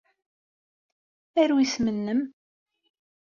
Aru isem-nnem.